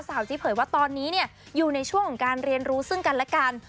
ที่เผยว่าตอนนี้เนี่ยอยู่ในช่วงของการเรียนรู้ซึ่งกันและกัน